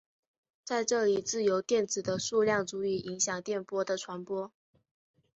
在这里自由电子的数量足以影响电波的传播。